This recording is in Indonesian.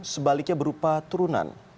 sebaliknya berupa turunan